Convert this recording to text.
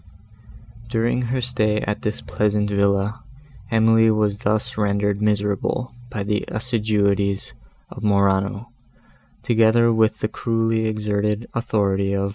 During her stay at this pleasant villa, Emily was thus rendered miserable by the assiduities of Morano, together with the cruelly exerted authority of M.